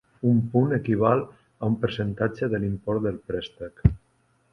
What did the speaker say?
Un punt equival a un percentatge de l'import del préstec.